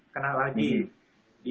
kena lagi di